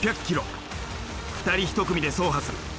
２人一組で走破する。